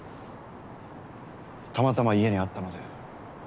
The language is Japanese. たまたま家にあったので。